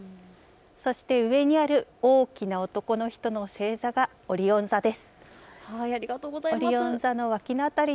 上にある大きな男の人の星座がオリオン座です。